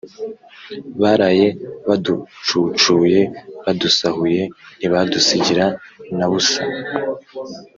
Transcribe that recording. baraye baducucuye, badusahuye ntibadusigira na busa.